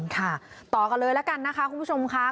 ค่ะต่อกันเลยละกันนะคะคุณผู้ชมค่ะ